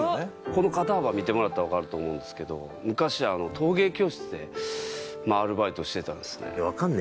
この肩幅見てもらったらわかると思うんですけど昔陶芸教室でアルバイトしてたんですね。